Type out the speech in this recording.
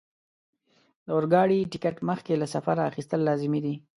د اورګاډي ټکټ مخکې له سفره اخیستل لازمي دي.